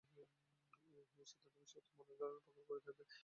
এই সিদ্ধান্তবিষয়ে মনের ধারণা প্রগাঢ় করিতে হইবে।